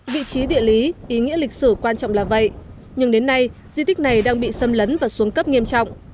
vị trí địa lý ý nghĩa lịch sử quan trọng là vậy nhưng đến nay di tích này đang bị xâm lấn và xuống cấp nghiêm trọng